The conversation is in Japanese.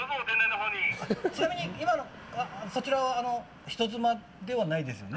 ちなみにそちらは人妻ではないですよね。